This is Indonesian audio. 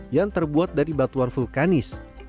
yang terbuat dari batuan vulkanis